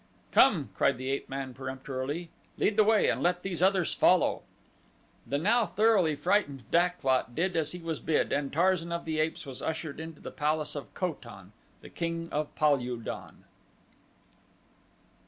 "Come!" cried the ape man peremptorily, "lead the way, and let these others follow." The now thoroughly frightened Dak lot did as he was bid, and Tarzan of the Apes was ushered into the palace of Kotan, King of Pal ul don.